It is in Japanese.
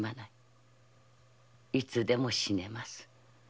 いつでも死ねます。